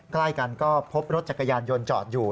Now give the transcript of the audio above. ใกล้กันก็พบรถจักรยานยนต์จอดอยู่